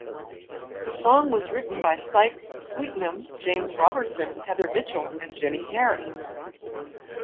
The song was written by Syke Sweetnam, James Robertson, Heather Mitchell, and Jimmy Harry.